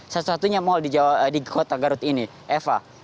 salah satunya mall di kota garut ini eva